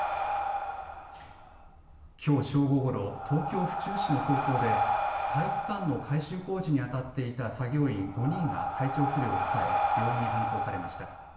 きょう正午ごろ、東京府中市の高校で体育館の改修工事にあたっていた作業員５人が体調不良を訴え病院に搬送されました。